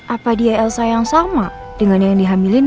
apa dia elsa yang sama dengan yang dihamilin